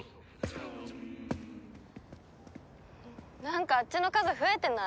なんかあっちの数増えてない？